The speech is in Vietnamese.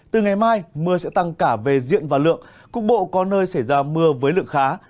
từ ngày mai mưa sẽ tăng cả về diện và lượng cục bộ có nơi xảy ra mưa với lượng khá